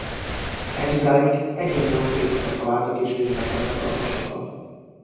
Ezidáig egyetlen fészket találtak és vizsgáltak meg alaposabban.